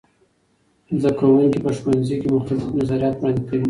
زده کوونکي په ښوونځي کې مختلف نظریات وړاندې کوي.